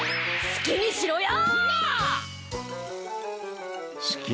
好きにしろや！